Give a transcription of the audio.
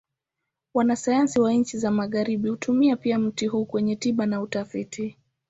Wanasayansi wa nchi za Magharibi hutumia pia mti huu kwenye tiba na utafiti.